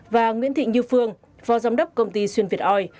và nguyễn thị như phương phó giám đốc công ty xuyên việt oi